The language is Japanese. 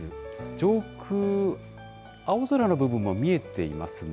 上空、青空の部分も見えていますね。